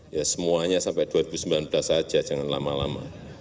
ya semuanya sampai dua ribu sembilan belas saja jangan lama lama